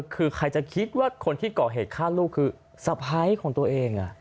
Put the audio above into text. คือใครจะคิดว่าคนที่ก่อเหตุฆ่าลูกคือสะพ้ายของตัวเอง